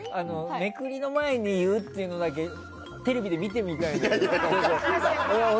めくりの前に言うっていうのだけはテレビで見てみたいのよ。